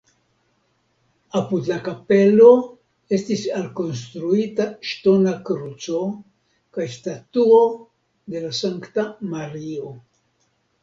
Apud la kapelo estis alkonstruita ŝtona kruco kaj statuo de la sankta Mario.